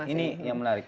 ini yang menarik